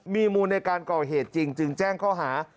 มีมูลในการก่อเหตุจริงจึงแจ้งข้อหา